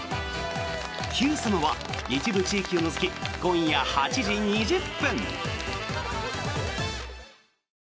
「Ｑさま！！」は一部地域を除き今夜８時２０分。